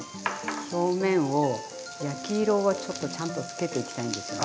表面を焼き色をちょっとちゃんとつけていきたいんですよね。